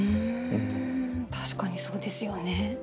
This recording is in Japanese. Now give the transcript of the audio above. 確かにそうですよね。